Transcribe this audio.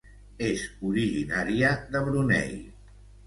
És originària de Brunei.